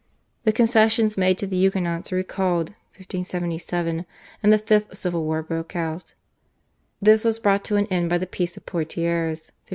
The concessions made to the Huguenots were recalled (1577), and the fifth civil war broke out. This was brought to an end by the Peace of Poitiers (1577).